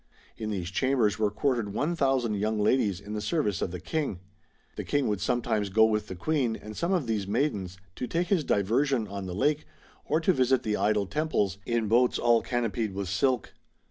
In these chambers were quartered one thousand young ladies in the service of the King. The King would sometimes go with the Queen and some of these maidens to take his diversion on the lake, or to visit the idol temples, in boats all canopied with silk.